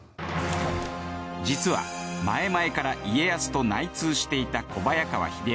実は前々から家康と内通していた小早川秀秋。